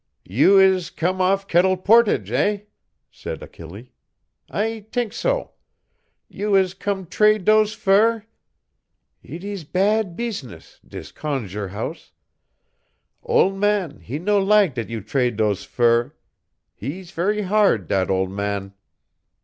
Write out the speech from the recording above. "You is come off Kettle Portage, eh," said Achille, "I t'ink so. You is come trade dose fur? Eet is bad beez ness, dis Conjur' House. Ole' man he no lak' dat you trade dose fur. He's very hard, dat ole man."